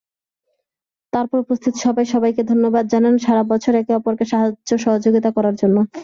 তারপর উপস্থিত সবাই সবাইকে ধন্যবাদ জানান সারা বছর একে অপরকে সাহায্য-সহযোগিতা করার জন্য।